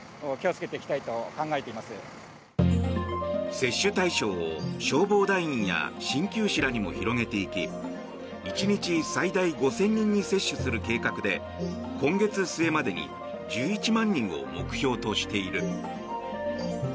接種対象を消防団員や鍼灸師らにも広げていき１日最大５０００人に接種する計画で今月末までに１１万人を目標としている。